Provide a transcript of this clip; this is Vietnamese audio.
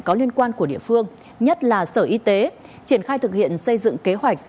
có liên quan của địa phương nhất là sở y tế triển khai thực hiện xây dựng kế hoạch